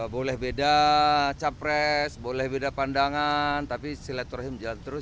boleh beda capres boleh beda pandangan tapi silaturahim jalan terus